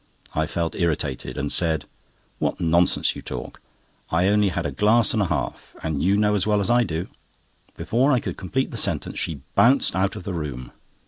I felt irritated, and said: "What nonsense you talk; I only had a glass and a half, and you know as well as I do—" Before I could complete the sentence she bounced out of the room.